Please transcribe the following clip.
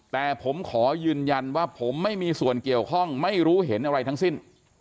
แต่ผมขอยืนยันว่าผมไม่มีส่วนเกี่ยวข้องไม่รู้เห็นอะไรทั้งสิ้น